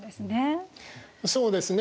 そうですね。